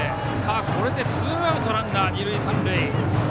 これでツーアウトランナー、二塁三塁。